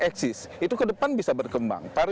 eksis itu ke depan bisa berkembang